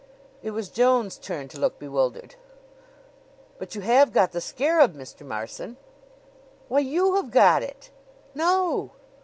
It was Joan's turn to look bewildered. "But you have got the scarab, Mr. Marson?" "Why, you have got it!" "No!"